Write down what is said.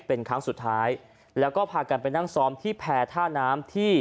เป็นครั้งสุดท้ายแล้วก็พากันไปนั่งซ้อมที่แพรท่าน้ำที่